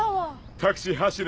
タクシー走る道？